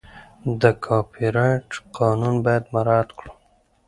د کاپي رایټ قانون باید مراعت کړو.